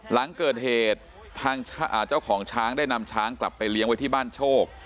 หลังเกิดเหตุทางเจ้าของช้างได้นำช้างกลับไปเลี้ยงไว้ที่บ้านโชค